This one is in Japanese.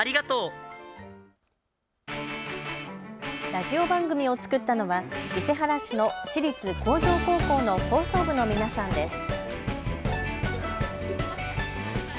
ラジオ番組を作ったのは伊勢原市の私立向上高校の放送部の皆さんです。